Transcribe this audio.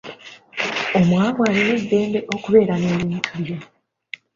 Omwavu alina eddembe okubeera n’ebintu bye.